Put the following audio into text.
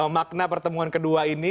makna pertemuan kedua ini